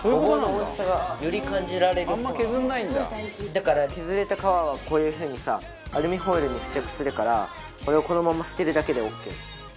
だから削れた皮はこういう風にさアルミホイルに付着するからこれをこのまま捨てるだけでオーケー。